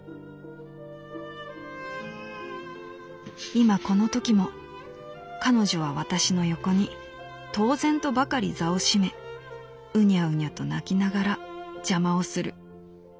「今このときも彼女は私の横に当然とばかり座を占めうにゃうにゃと鳴きながら邪魔をする。